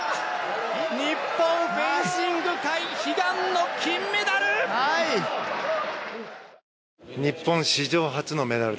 日本フェンシング界悲願の金メダル！